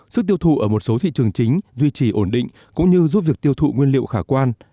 sức tiêu thụ ở một số thị trường chính duy trì ổn định cũng như giúp việc tiêu thụ nguyên liệu khả quan